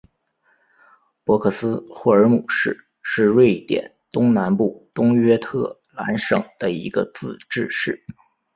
博克斯霍尔姆市是瑞典东南部东约特兰省的一个自治市。